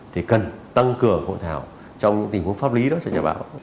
thì cần tăng cường hội thảo trong những tình huống pháp lý đó cho nhà báo